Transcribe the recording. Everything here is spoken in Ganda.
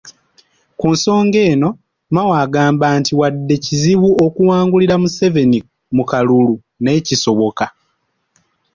Ku nsonga eno, Mao agamba nti wadde kizibu okuwangulira Museveni mu kalulu naye kisoboka.